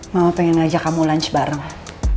mama pengen ngajak kamu lunch bareng